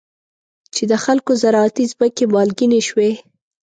چې د خلکو زراعتي ځمکې مالګینې شوي.